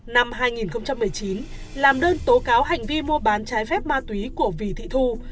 năm hai nghìn một mươi chín làm đơn tố cáo hành vi mua bán trái phép ma túy của vì thị thu